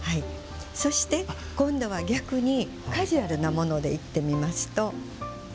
そして、今度は逆にカジュアルなものでいってみます。